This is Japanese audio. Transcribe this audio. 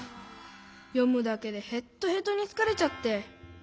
よむだけでヘットヘトにつかれちゃって。